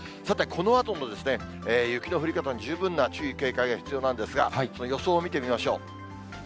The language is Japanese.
さて、このあとの雪の降り方に十分な注意、警戒が必要なんですが、予想を見てみましょう。